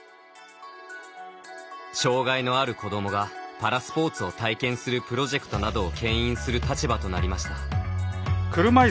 障がいのある子どもがパラスポーツを体験するプロジェクトなどをけん引する立場となりました。